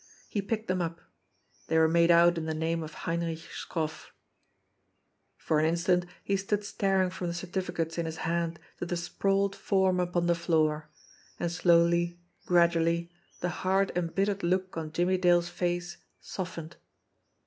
He picked them up. They were made out in the name of Heinrich Scroff". For an instant he stood staring from the certificates in his hand to the sprawled form upon the floor and slowly, gradually, the hard, embittered look on Jimmie Dale's face softened.